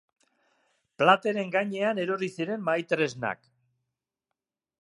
Plateren gainean erori ziren mahai-tresnak.